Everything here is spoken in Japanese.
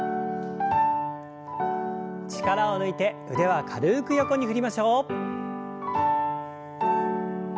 力を抜いて腕は軽く横に振りましょう。